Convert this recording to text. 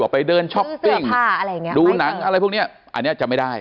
ไปเดินช้อปปิ้งผ้าอะไรอย่างนี้ดูหนังอะไรพวกเนี้ยอันนี้จะไม่ได้